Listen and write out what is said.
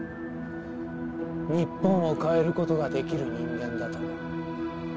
日本を変える事ができる人間だと。